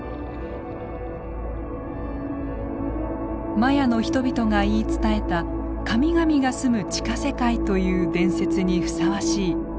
マヤの人々が言い伝えた神々が住む地下世界という伝説にふさわしい奇跡の絶景です。